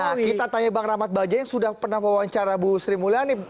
nah kita tanya bang rahmat bajaj yang sudah pernah mewawancara bu sri mulyani